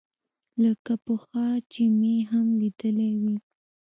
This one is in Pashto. لکه پخوا چې مې هم ليدلى وي.